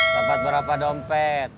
dapat berapa dompet